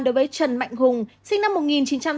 đối với trần mạnh hùng sinh năm một nghìn chín trăm tám mươi